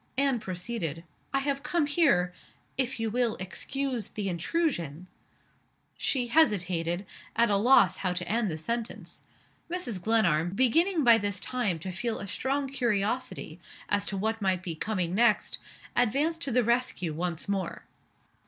Anne proceeded. "I have come here, if you will excuse the intrusion " She hesitated at a loss how to end the sentence. Mrs. Glenarm, beginning by this time to feel a strong curiosity as to what might be coming next, advanced to the rescue once more.